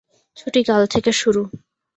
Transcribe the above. ছুটি কাল থেকে শুরু।